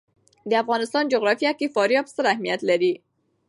د افغانستان جغرافیه کې فاریاب ستر اهمیت لري.